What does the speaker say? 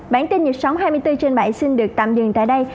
bản tin nhật sống hai mươi bốn trên bảy xin được tạm dừng tại đây